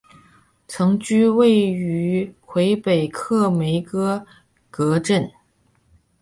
曾居住于魁北克梅戈格镇。